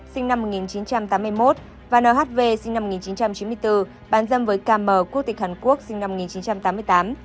sinh năm một nghìn chín trăm tám mươi một và nhv sinh năm một nghìn chín trăm chín mươi bốn bán dâm với km quốc tịch hàn quốc sinh năm một nghìn chín trăm tám mươi tám